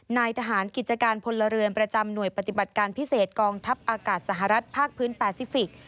นายทหารกิจการพลเรือนประจำหน่วยปฏิบัติการพิเศษกองทัพอากาศสหรัฐภาคพื้นแปซิฟิกส